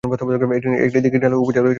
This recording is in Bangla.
এটি দীঘিনালা উপজেলা সদরে অবস্থিত।